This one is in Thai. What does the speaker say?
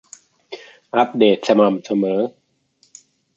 อัปเดตสม่ำเสมอ